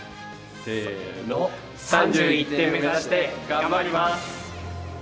せの３１点目指して頑張ります！